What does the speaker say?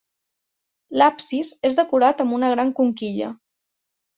L'absis és decorat amb una gran conquilla.